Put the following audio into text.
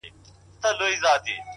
د کلي حوري په ټول کلي کي لمبې جوړي کړې.